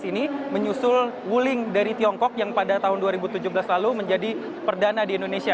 ini menyusul wuling dari tiongkok yang pada tahun dua ribu tujuh belas lalu menjadi perdana di indonesia